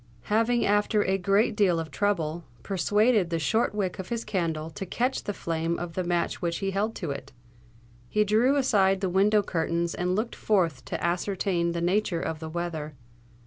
Having, after a great deal of trouble, persuaded the short wick of his candle to catch the flame of the match which he held to it, he drew aside the window curtains and looked forth to ascertain the nature of the weather.